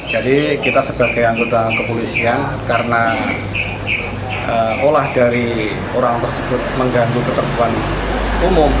jadi kita sebagai anggota kepolisian karena olah dari orang tersebut mengganggu ketertuan umum